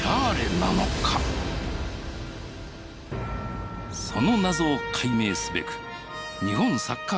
その謎を解明すべく日本サッカー協会を訪れた。